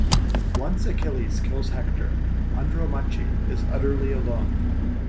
Once Achilles kills Hector, Andromache is utterly alone.